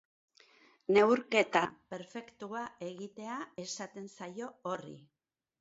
Neurketa perfektua egitea esaten zaio horri.